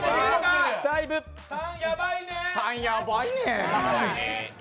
３、やばいね。